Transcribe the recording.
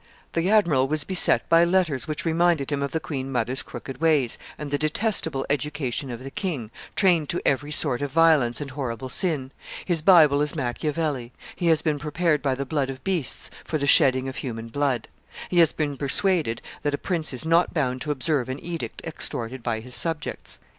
"The admiral was beset by letters which reminded him of the queen mother's crooked ways, and the detestable education of the king, trained to every sort of violence and horrible sin; his Bible is Macchiavelli; he has been prepared by the blood of beasts for the shedding of human blood; he has been persuaded that a prince is not bound to observe an edict extorted by his subjects."